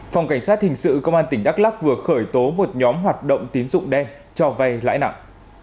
phòng cảnh sát hình sự công an tỉnh đắk lắc vừa khởi tố một nhóm hoạt động tín dụng đen cho vay lãi nặng